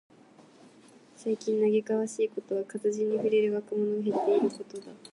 最近嘆かわしいことは、活字に触れる若者が減っていることだ。